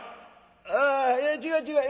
「ああいや違う違う。